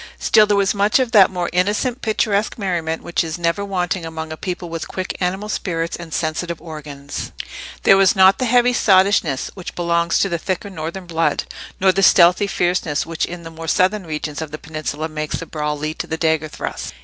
Still there was much of that more innocent picturesque merriment which is never wanting among a people with quick animal spirits and sensitive organs: there was not the heavy sottishness which belongs to the thicker northern blood, nor the stealthy fierceness which in the more southern regions of the peninsula makes the brawl lead to the dagger thrust.